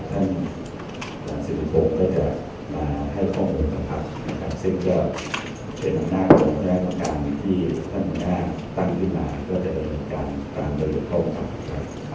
ท่านหลังศิษย์ปกรณ์ก็จะมาให้ข้อมูลของพรรคซึ่งจะเป็นหน้าความแรงของการวิธีท่านหลังศิษย์ตั้งขึ้นมาก็จะเป็นการบริเวณเข้าข้อมูลของพรรค